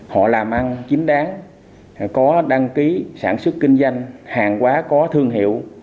họ làm ăn chính đáng có đăng ký sản xuất kinh doanh hàng quá có thương hiệu